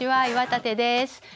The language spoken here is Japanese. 岩立です。